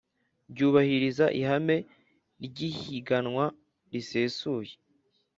Byubahiriza ihame ry’ihiganwa risesuye